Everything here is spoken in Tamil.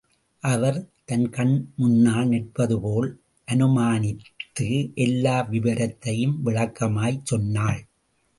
அவர், தன் கண் முன்னால் நிற்பது போல் அனுமானித்து எல்லா விவரத்தையும் விளக்கமாய்ச் சொன்னாள்.